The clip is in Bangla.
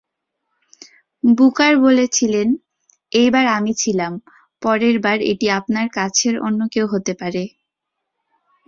বুকার বলেছিলেন, "এইবার, আমি ছিলাম; পরের বার, এটি আপনার কাছের অন্য কেউ হতে পারে।"